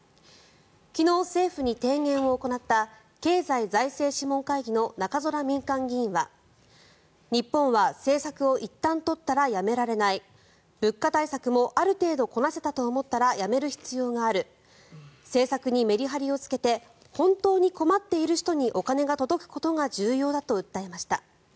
昨日、政府に提言を行った経済財政諮問会議の中空民間議員は日本は政策をいったん取ったらやめられない物価対策もある程度こなせたと思ったらやめる必要がある政策にメリハリをつけて本当に困っている人にお金が届くことが重要だと訴えました。